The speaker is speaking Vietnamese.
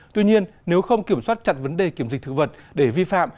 tuy nhiên nếu không kiểm soát chặt vấn đề kiểm dịch thực vật để vi phạm